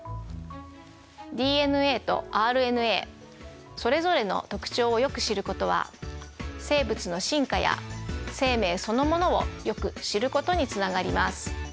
ＤＮＡとＲＮＡそれぞれの特徴をよく知ることは生物の進化や生命そのものをよく知ることにつながります。